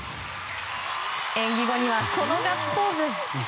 演技後には、このガッツポーズ！